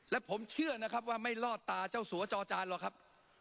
และผมเชื่อนะครับว่าไม่รอดตาเจ้าสัวจอจานหรอกครับ